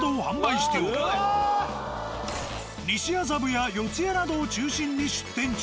西麻布や四谷などを中心に出店中。